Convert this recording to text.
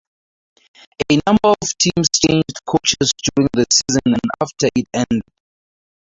A number of teams changed coaches during the season and after it ended.